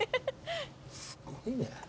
すごいね。